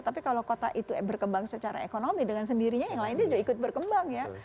tapi kalau kota itu berkembang secara ekonomi dengan sendirinya yang lainnya juga ikut berkembang ya